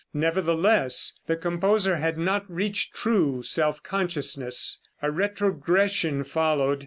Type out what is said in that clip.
Nevertheless, the composer had not reached true self consciousness. A retrogression followed.